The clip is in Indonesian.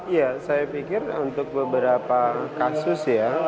ya saya pikir untuk beberapa kasus ya